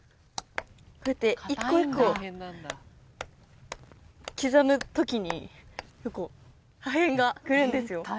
こうやって一個一個刻む時に結構破片が来るんですよ